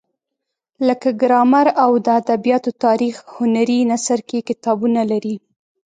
لکه ګرامر او د ادبیاتو تاریخ هنري نثر کې کتابونه لري.